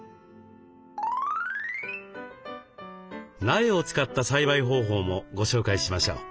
苗を使った栽培方法もご紹介しましょう。